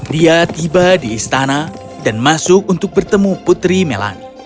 dia tiba di istana dan masuk untuk bertemu putri melani